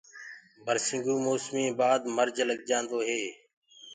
برسينگو مي مي موسمي ڪي بآد مرج لگجآندو هي۔